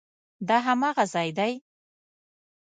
دا هماغه ځای دی؟